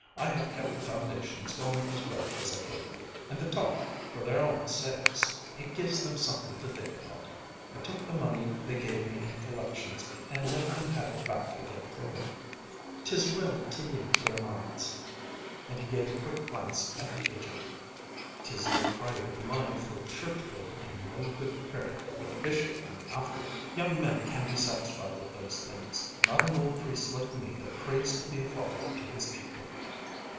"I have kept the foundations going as well as I could, and the talk, for their own sakes. It gives them something to think about. I took the money they gave me in collections and let them have it back again for work. 'Tis well to lead their minds," and he gave a quick glance at the agent. "'Tis no pride of mine for church building and no good credit with the bishop I'm after. Young men can be satisfied with those things, not an old priest like me that prays to be a father to his people."